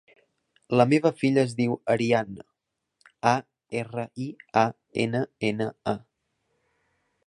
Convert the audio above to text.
La meva filla es diu Arianna: a, erra, i, a, ena, ena, a.